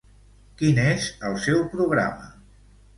Quin és el seu programa?